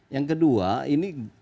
yang kedua ini